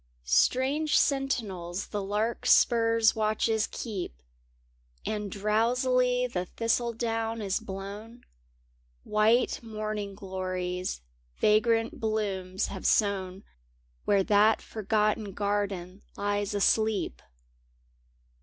Strange sentinels the larkspur's watches keep And drowsily the thistledown is blown ; White morning glories vagrant blooms have sown Where that forgotten garden lies asleep.